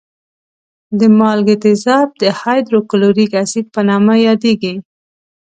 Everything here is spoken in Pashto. د مالګي تیزاب د هایدروکلوریک اسید په نامه یادېږي.